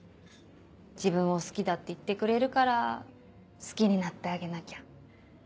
自分を好きだって言ってくれるから好きになってあげなきゃ。